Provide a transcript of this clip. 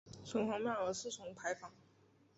城隍庙有四重牌坊。